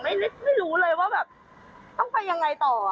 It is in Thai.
ไม่รู้เลยว่าแบบต้องไปยังไงต่อ